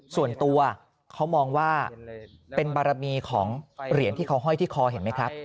ส่วนตัวเขามองว่าเป็นบารมีของเหรียญที่เขาห้อยที่คอเห็นไหมครับ